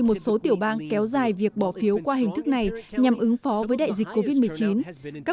một số tiểu bang kéo dài việc bỏ phiếu qua hình thức này nhằm ứng phó với đại dịch covid một mươi chín các